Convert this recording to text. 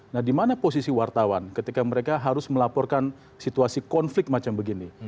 nah di mana posisi wartawan ketika mereka harus melaporkan situasi konflik macam begini